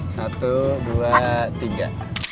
satu dua tiga